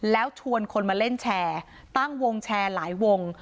แล้วชวนคนมาเล่นแชร์ตั้งวงแชร์หลายวง